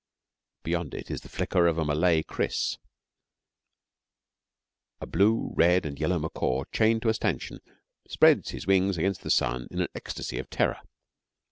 Beyond it is the flicker of a Malay kris. A blue, red, and yellow macaw chained to a stanchion spreads his wings against the sun in an ecstasy of terror.